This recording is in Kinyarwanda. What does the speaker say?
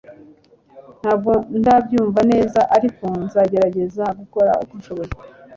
Ntabwo ndabyumva neza ariko nzagerageza gukora uko nshoboye